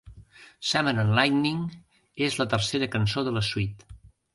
Summer and Lightning és la tercera cançó de la suite.